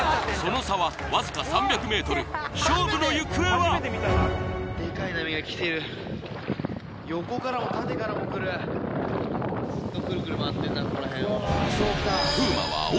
その差はわずか３００ｍ勝負の行方は！？